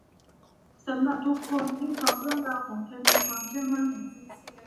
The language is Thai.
สำหรับทุกคนที่ฟังเรื่องราวของเธอมีความเชื่อมั่น